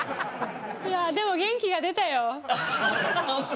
いやでも元気が出たよホント。